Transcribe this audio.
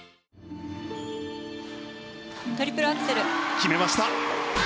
決めました！